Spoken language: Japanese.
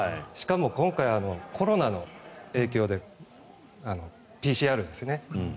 しかも、今回はコロナの影響でＰＣＲですよね